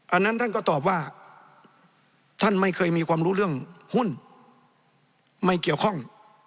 อันนั้นท่านก็ตอบว่าท่านไม่เคยมีความรู้เรื่องหุ้นไม่เกี่ยวข้อง